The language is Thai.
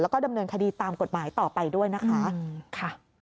แล้วก็ดำเนินคดีตามกฎหมายต่อไปด้วยนะคะ